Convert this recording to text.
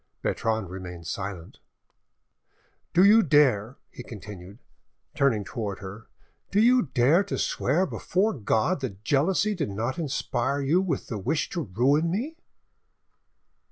Bertrande remained silent. "Do you dare," he continued, turning towards her,—"do you dare to swear before God that jealousy did not inspire you with the wish to ruin me?"